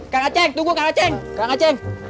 kang aceh tunggu kang aceh